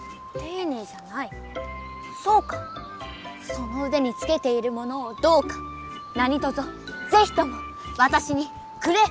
そのうでにつけているものをどうかなにとぞぜひともわたしにくれ！